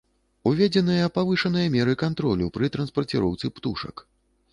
Уведзеныя павышаныя меры кантролю пры транспарціроўцы птушак.